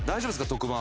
特番